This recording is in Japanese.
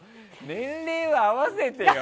年齢は合わせてよ！